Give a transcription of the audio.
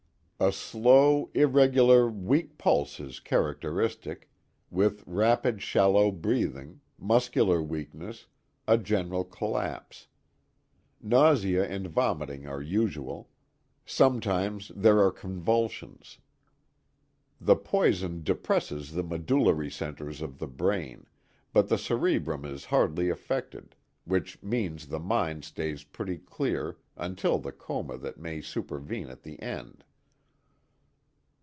"A slow, irregular, weak pulse is characteristic, with rapid shallow breathing, muscular weakness, a general collapse. Nausea and vomiting are usual; sometimes there are convulsions. The poison depresses the medullary centers of the brain, but the cerebrum is hardly affected, which means the mind stays pretty clear until the coma that may supervene at the end."